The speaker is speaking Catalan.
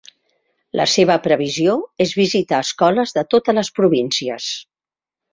La seva previsió és visitar escoles de totes les províncies.